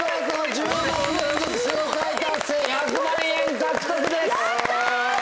１００万円獲得です！